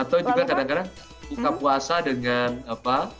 atau juga kadang kadang buka puasa dengan apa